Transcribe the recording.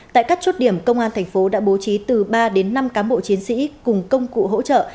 tại các chốt điểm công an thành phố đã bố trí từ ba đến năm cán bộ chiến sĩ cùng công cụ hỗ trợ